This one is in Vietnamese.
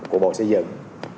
của bộ xây dựng